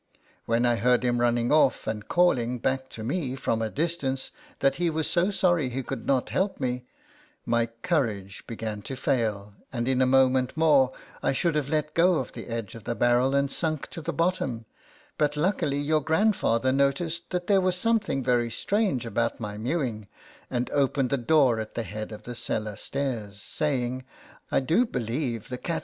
When I heard him run ning off, and calling back to me, from a distance, that he was so sorry he could not help me, my courage began to fail, and in a moment more, I should have let go of the edge of the barrel, and sunk to the bottom ; but luckily your grandfather noticed that there was something very strange about my mewing, and opened the door at the head of the cellar stairs, saying, "I do believe the cat 66 LETTERS FROM A CAT.